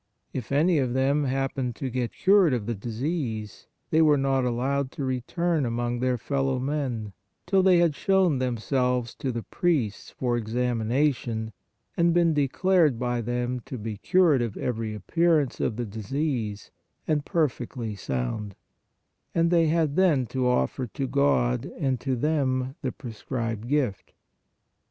If any of them happened to get cured of the disease, they were not allowed to return among their fellow men, 92 PRAYER till they had shown themselves to the priests for examination and been declared by them to be cured of every appearance of the disease and perfectly sound; and they had then to offer to God and to them the prescribed gift.